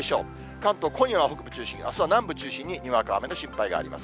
関東、今夜は北部中心、あすは南部中心に、にわか雨の心配があります。